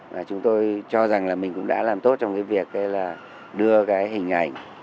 và chúng tôi cho rằng là mình cũng đã làm tốt trong cái việc là đưa cái hình ảnh